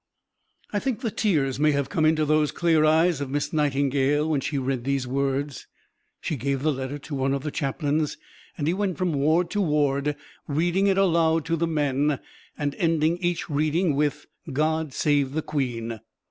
I think the tears may have come into those clear eyes of Miss Nightingale, when she read these words. She gave the letter to one of the chaplains, and he went from ward to ward, reading it aloud to the men, and ending each reading with "God save the Queen!"